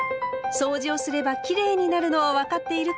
そうじをすればきれいになるのは分かっているけど